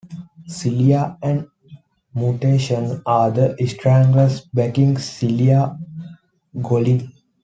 Celia and the Mutations are The Stranglers backing Celia Gollin.